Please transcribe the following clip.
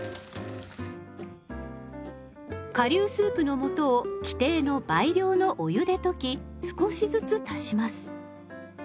顆粒スープの素を規定の倍量のお湯で溶き少しずつ足します。